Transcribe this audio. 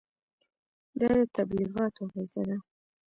دا د تبلیغاتو اغېزه ده.